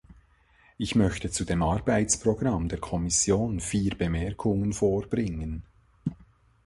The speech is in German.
Ich möchte zu dem Arbeitsprogramm der Kommission vier Bemerkungen vorbringen.